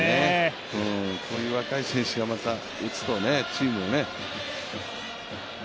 こういう若い選手がまた打つとチームもね。